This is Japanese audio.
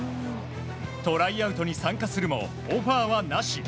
トライアウトに参加するもオファーはなし。